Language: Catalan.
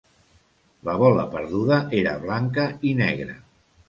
La bola perduda era blanca i negra.